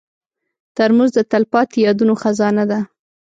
ترموز د تلپاتې یادونو خزانه ده.